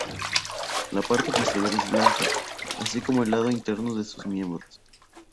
La parte posterior es blanca, así como el lado interno de sus miembros.